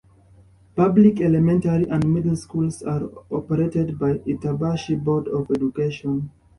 Public elementary and middle schools are operated by the Itabashi Board of Education.